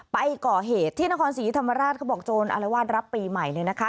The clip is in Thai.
ไปก่อเหตุที่นครศรีธรรมราชเขาบอกโจรอรวาสรับปีใหม่เนี่ยนะคะ